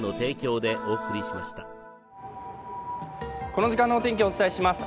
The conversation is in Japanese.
この時間のお天気をお伝えします。